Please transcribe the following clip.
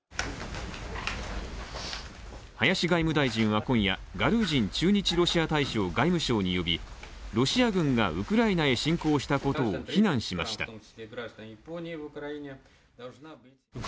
林外務大臣は今夜、ガルージン駐日ロシア大使を外務省に呼びロシア軍がウクライナへ侵攻したことを非難しました。